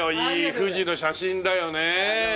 いい富士の写真だよねえ。